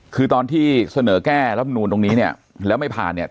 คือตอนที่เสนอแก้รับมานูนตรงนี้แล้วไม่ผ่าน